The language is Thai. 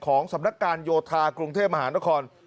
สำนักการโยธากรุงเทพมหานคร